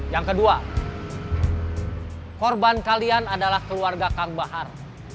yang kedua korban kalian adalah keluarga kang bahar